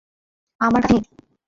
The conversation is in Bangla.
আমার কাছে নেই।